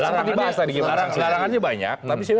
larangannya banyak tapi sebenarnya